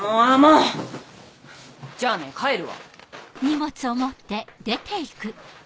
じゃあね帰るわ。